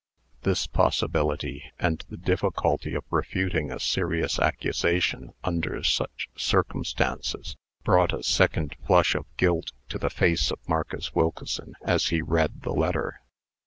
This possibility, and the difficulty of refuting a serious accusation under such circumstances, brought a second flush of guilt to the face of Marcus Wilkeson as he read the letter.